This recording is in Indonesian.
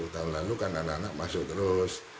tahun lalu kan anak anak masuk terus